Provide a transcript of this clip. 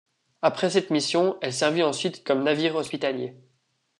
Après cette mission, elle servit ensuite comme navire hospitalier.